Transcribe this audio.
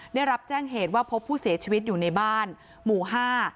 ได้รับแจ้งเหตุว่าพบผู้เสียชีวิตอยู่ในบ้านหมู่ห้า